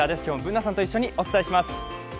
今日もＢｏｏｎａさんと一緒にお伝えします。